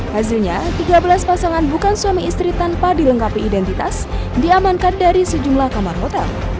hasilnya tiga belas pasangan bukan suami istri tanpa dilengkapi identitas diamankan dari sejumlah kamar hotel